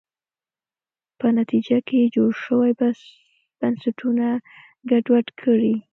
په نتیجه کې جوړ شوي بنسټونه ګډوډ کړي.